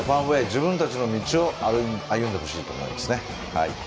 自分たちの道を歩んでほしいと思いますね。